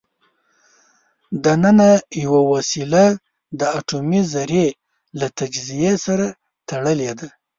دننه یوه وسیله د اټومي ذرې له تجزیې سره تړلې ده.